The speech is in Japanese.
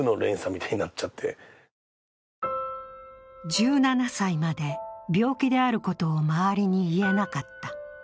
１７歳まで病気であることを周りに言えなかった。